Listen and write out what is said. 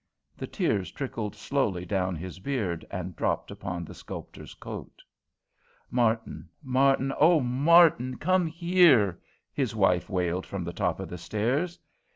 The tears trickled slowly down his beard and dropped upon the sculptor's coat. "Martin, Martin! Oh, Martin! come here," his wife wailed from the top of the stairs.